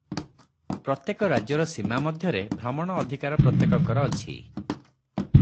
ପ୍ରତ୍ୟେକ ରାଜ୍ୟର ସୀମା ମଧ୍ୟରେ ଭ୍ରମଣ ଅଧିକାର ପ୍ରତ୍ୟେକଙ୍କର ଅଛି ।